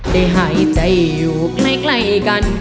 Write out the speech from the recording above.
หายใจอยู่ใกล้กัน